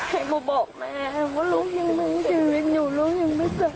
ให้หมู่บอกแม่ว่าลูกยังไม่จืดอยู่ลูกยังไม่ตาย